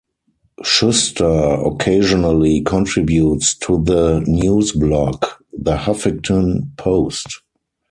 Shuster occasionally contributes to the news blog, "The Huffington Post".